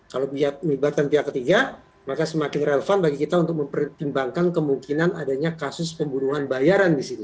kalau melibatkan pihak ketiga maka semakin relevan bagi kita untuk mempertimbangkan kemungkinan adanya kasus pembunuhan bayaran di sini